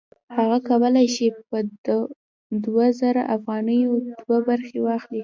هغه کولی شي په دوه زره افغانیو دوه برخې واخلي